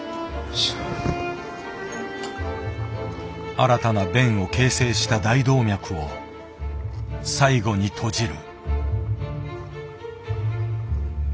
新たな弁を形成した大動脈を最後にとじる。